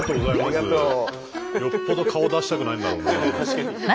よっぽど顔出したくないんだろうな。